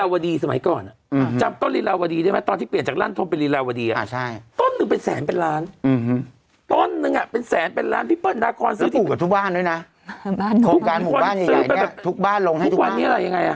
วันนี้อะไรยังไงอะเรียบร้อย